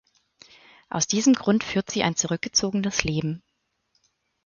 Aus diesem Grund führt sie ein zurückgezogenes Leben.